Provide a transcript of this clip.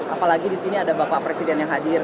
apalagi disini ada bapak presiden yang hadir